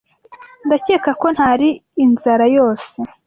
Ndakeka ko ntari inzara yose.